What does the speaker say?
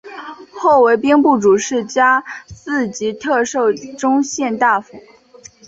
后为兵部主事加四级特授中宪大夫。